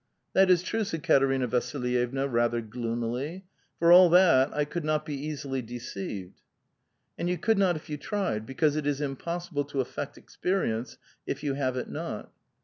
" That is true," said Katerina Vasilyevna rather gloomily, " for all that, I could not be easilv deceived." " And you could not if you tried, because it is impossible to affect experience if yon have it not."